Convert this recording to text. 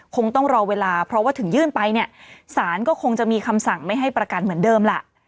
คงต้องรอเวลาเพราะว่าถึงยื่นไปเนี่ยสารก็คงจะมีคำสั่งไม่ให้ประกันเหมือนเดิมล่ะ